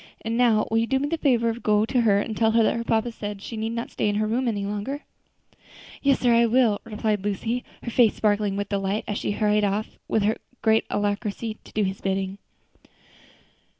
And now will you do me the favor to go to her and tell her that her papa says she need not stay in her room any longer?" "Yes, sir, I will," replied Lucy, her face sparkling with delight as she hurried off with great alacrity to do his bidding.